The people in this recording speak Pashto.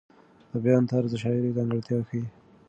د بیان طرز د شاعر ځانګړتیا ښیي.